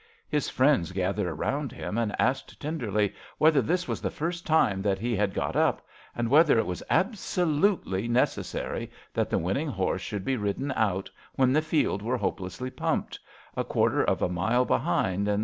His friends gathered round him and asked tenderly whether this was the first time that he had got up, and whether it was absoliUely necessary that the winning horse should be ridden out when the field were hopelessly pumped, a quarter of a mile be hind, etc.